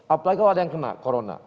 apalagi kalau ada yang kena corona